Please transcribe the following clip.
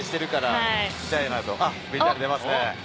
ＶＴＲが出ますね。